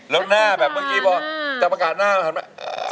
แล้วหน้าแบบเมื่อกี้บอกจับประกาศหน้ามันหันมา